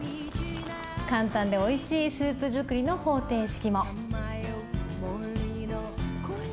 簡単でおいしいスープ作りの方程式も。